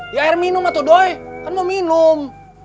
di air minum doi kan mau minum